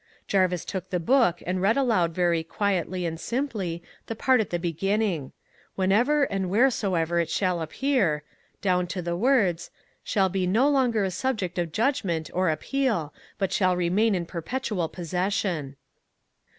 Jarvis took the book and read aloud very quietly and simply the part at the beginning 'Whenever and wheresoever it shall appear,' down to the words, 'shall be no longer a subject of judgment or appeal but shall remain in perpetual possession.'